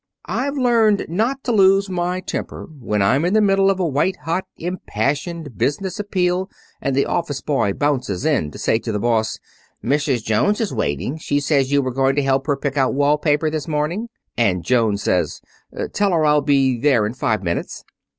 "'I've learned not to lose my temper when I'm in the middle of a white hot, impassioned business appeal and the office boy bounces in to say to the boss: "Mrs. Jones is waiting. She says you were going to help her pick out wall paper this morning;" and Jones says, "Tell her I'll be there in five minutes."'